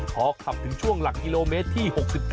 พอขับถึงช่วงหลักกิโลเมตรที่๖๙